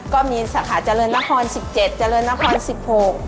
ก็มีสาขาเจริญนคร๑๗รตเจริญนคร๑๖รตเจริญนคร